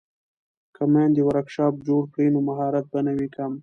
که میندې ورکشاپ جوړ کړي نو مهارت به نه وي کم.